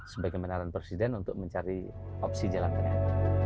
sebagai menaran presiden untuk mencari opsi jalan tengah